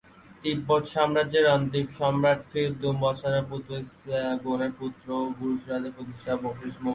ব্যাং-ছুব-য়ে-শেস'-ওদ তিব্বত সাম্রাজ্যের অন্তিম সম্রাট খ্রি-উ-দুম-ব্ত্সানের পৌত্র স্ক্যিদ-ল্দে-ন্যিমা-গোনের পুত্র ও গুজ রাজ্যের প্রতিষ্ঠাতা ব্ক্রা-শিস-ম্গোনের পুত্র ছিলেন।